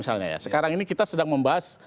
sekarang ini kita sedang membahas